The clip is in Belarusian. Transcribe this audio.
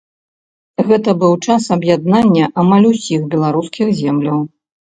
Гэта быў час аб'яднання амаль усіх беларускіх земляў.